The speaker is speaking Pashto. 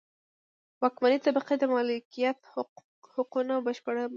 واکمنې طبقې د مالکیت حقونو بشپړ ملاتړ کاوه.